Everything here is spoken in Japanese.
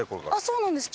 そうなんです。